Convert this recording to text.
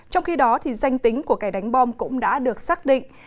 trong khi đó danh tính của kẻ đánh bom cũng đã được xác định